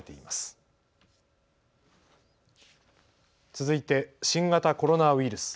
続いて新型コロナウイルス。